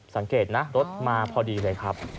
สังเกตนะรถมาพอดีเลยครับ